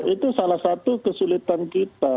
itu salah satu kesulitan kita